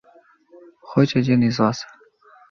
Хоть один из вас?